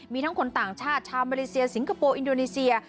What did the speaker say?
มีทั้งคนต่างชาติชาวมาเลเซียสิงคโปร์อินโดนีเซีย